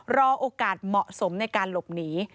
รอโอกาสเหมาะสมในการหลบหนี